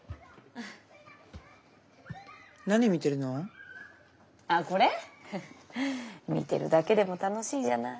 フフッ見てるだけでも楽しいじゃない。